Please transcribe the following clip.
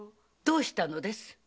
どうしたのです？